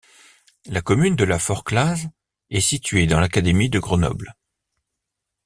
La commune de La Forclaz est située dans l'académie de Grenoble.